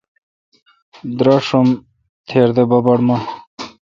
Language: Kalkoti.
دراشوم تِر دہ بڑبڑ من۔